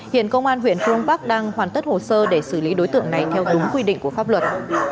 hiện công an huyện phương bắc đang hoàn tất hồ sơ để xử lý đối tượng này theo đúng quy định của pháp luật